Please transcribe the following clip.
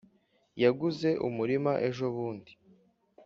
yaguze umurima ejo bundi